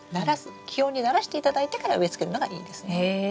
気温にならしていただいてから植えつけるのがいいですね。